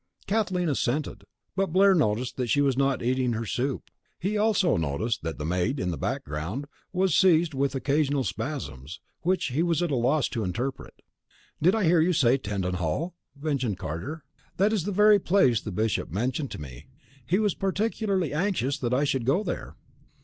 Kathleen assented, but Blair noticed that she was not eating her soup. He also noticed that the maid, in the background, was seized with occasional spasms, which he was at a loss to interpret. "Did I hear you say Tettenhall?" ventured Carter. "That is the very place the Bishop mentioned to me. He was particularly anxious that I should go there."